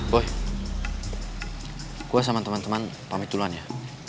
boy gue sama temen temen pamit duluan ya